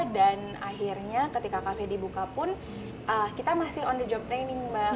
akhirnya ketika kafe dibuka pun kita masih on the job training mbak